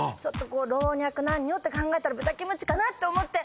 老若男女って考えたら豚キムチかなって思って。